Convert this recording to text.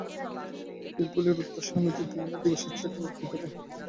এইগুলির উত্তরে স্বামীজী বিভিন্ন দিবসে ছয়টি বক্তৃতা দেন।